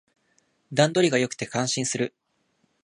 段取りが良くて感心する